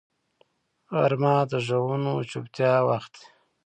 غرمه د غږونو چوپتیا وخت وي